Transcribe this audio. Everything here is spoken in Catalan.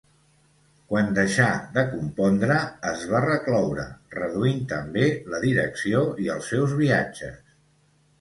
Quan deixà de compondre es va recloure, reduint també la direcció i els seus viatges.